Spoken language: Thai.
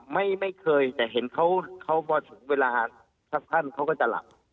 ไม่เคยแต่เห็นเขาบอกเวลาซักครั้งเขาก็จะหลับ